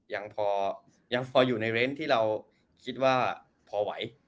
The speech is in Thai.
ยังพออยู่ในเรนทที่เราคิดว่าพอไหว